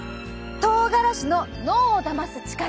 とうがらしの脳をだます力。